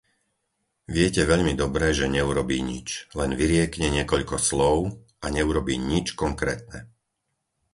Viete veľmi dobre, že neurobí nič. Len vyriekne niekoľko slov a neurobí nič konkrétne!